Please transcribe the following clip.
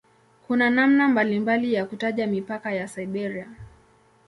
Kuna namna mbalimbali ya kutaja mipaka ya "Siberia".